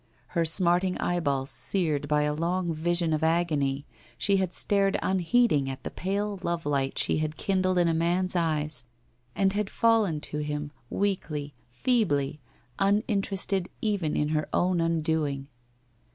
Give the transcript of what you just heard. Her smarting eyeballs seared by a long vision of agony, she had stared unheeding at the pale lovelight she had kindled in a man's eyes, and had fallen to him, weakly, feebly, uninterested even in her own un doing.